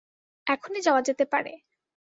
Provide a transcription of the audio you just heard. এখনই যাওয়া যেতে পারে।